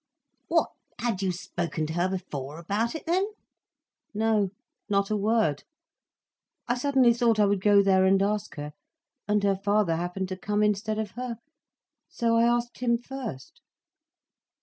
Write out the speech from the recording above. "What, had you spoken to her before about it, then?" "No, not a word. I suddenly thought I would go there and ask her—and her father happened to come instead of her—so I asked him first."